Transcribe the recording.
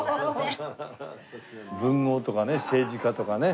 文豪とかね政治家とかね